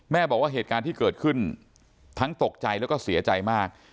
บอกว่าเหตุการณ์ที่เกิดขึ้นทั้งตกใจแล้วก็เสียใจมาก